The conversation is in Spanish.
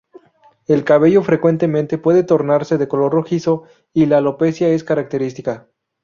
El cabello frecuentemente puede tornarse de color rojizo, y la alopecia es característica.